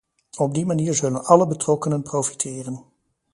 Op die manier zullen alle betrokkenen profiteren.